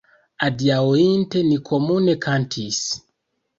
Adiaŭinte ni komune kantis.